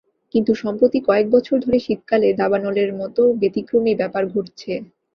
কিন্তু সম্প্রতি কয়েক বছর ধরে শীতকালে দাবানলের মতো ব্যতিক্রমী ব্যাপার ঘটছে।